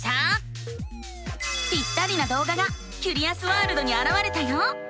ぴったりなどうががキュリアスワールドにあらわれたよ。